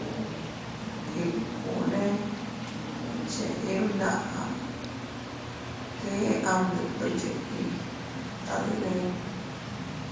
Ikkune cheʼe bndaʼa, kee am detndoʼo yiʼi tadilin.